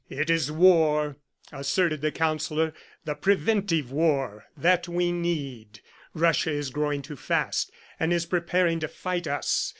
"It is war," asserted the Counsellor, "the preventive war that we need. Russia is growing too fast, and is preparing to fight us.